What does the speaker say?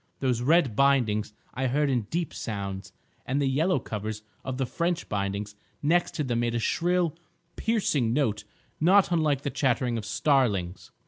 Those red bindings I heard in deep sounds, and the yellow covers of the French bindings next to them made a shrill, piercing note not unlike the chattering of starlings.